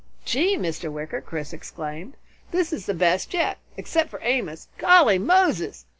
"Gee! Mr. Wicker!" Chris exclaimed. "This is the best yet except for Amos. Golly Moses!"